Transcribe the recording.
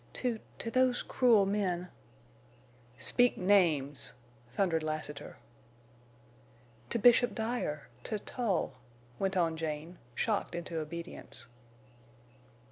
"To—to those cruel men—" "Speak names!" thundered Lassiter. "To Bishop Dyer—to Tull," went on Jane, shocked into obedience.